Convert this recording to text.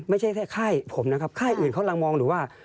ไม่ใช่แค่ค่ายผมนะครับค่ายอื่นเขากำลังมองอยู่ว่า